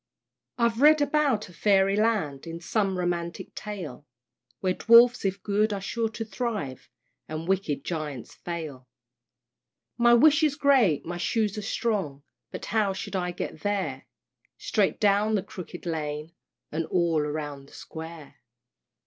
I've read about a Fairy Land, In some romantic tale, Where Dwarfs if good are sure to thrive And wicked Giants fail. My wish is great, my shoes are strong, But how shall I get there? "Straight down the Crooked Lane, And all round the Square."